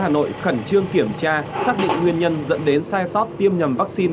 hà nội khẩn trương kiểm tra xác định nguyên nhân dẫn đến sai sót tiêm nhầm vaccine